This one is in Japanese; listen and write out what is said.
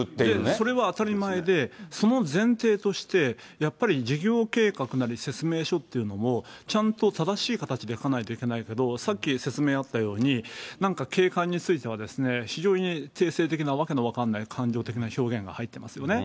それは当たり前で、その前提として、やっぱり事業計画なり説明書っていうのを、ちゃんと正しい形で書かないといけないけど、さっき説明あったように、なんか景観については、非常にていせい的な訳の分からない感情的な表現が入ってますよね。